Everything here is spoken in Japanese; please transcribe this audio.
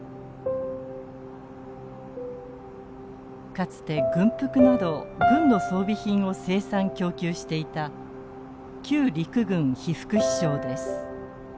かつて軍服など軍の装備品を生産供給していた旧陸軍被服支廠です。